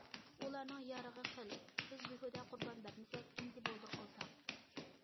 ئۇلارنىڭ يارىغى خىل، بىز بىھۇدە قۇربان بەرمىسەك، ئەمدى بولدى قىلساق.